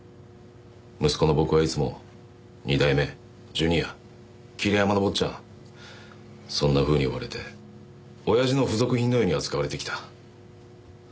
息子の僕はいつも二代目ジュニア桐山の坊ちゃんそんなふうに呼ばれて親父の付属品のように扱われてきた。